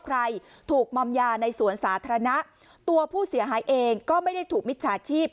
ใครถูกมอมยาในสวนสาธารณะตัวผู้เสียหายเองก็ไม่ได้ถูกมิจฉาชีพ